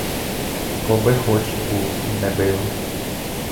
Коби хоч був не бив!